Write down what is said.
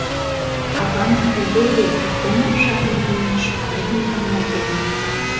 Ала-мом огыл вет — оным шарныме лӱмеш памятникым нӧлтена.